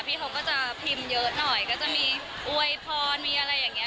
เขาก็จะพิมพ์เยอะหน่อยก็จะมีอวยพรมีอะไรอย่างนี้